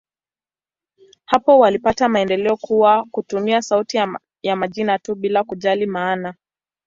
Hapo walipata maendeleo kwa kutumia sauti ya majina tu, bila kujali maana.